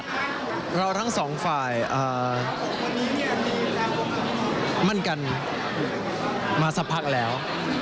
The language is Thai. มาสักพักแล้ว